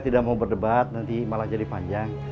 tidak mau berdebat nanti malah jadi panjang